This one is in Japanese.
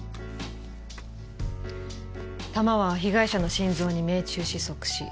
弾は被害者の心臓に命中し即死。